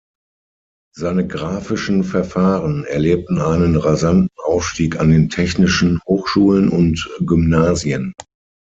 Seine grafischen Verfahren erlebten einen rasanten Aufstieg an den technischen Hochschulen und Gymnasien.